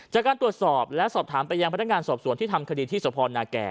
จากการตรวจสอบและสอบถามไปยังพนักงานสอบสวนที่ทำคดีที่สพนาแก่